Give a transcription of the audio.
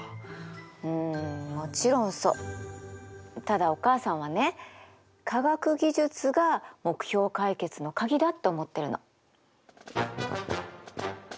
ただお母さんはね科学技術が目標解決の鍵だって思ってるの。